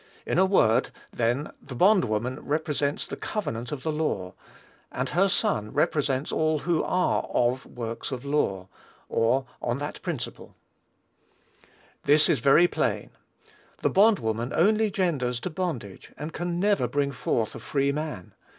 In a word then the bond woman represents the covenant of the law; and her son represents all who are "of works of law," or on that principle ([Greek: ex ergôn nomou]). This is very plain. The bond woman only genders to bondage, and can never bring forth a free man.